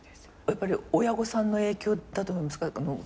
やっぱり親御さんの影響だと思いますか？